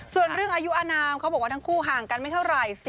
ส่วนเรื่องอายุอนามเขาบอกว่าทั้งคู่ห่างกันไม่เท่าไหร่